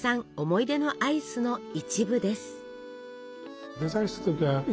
思い出のアイスの一部です。